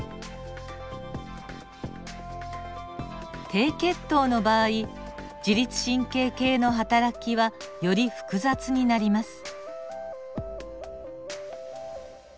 低血糖の場合自律神経系のはたらきはより複雑になります。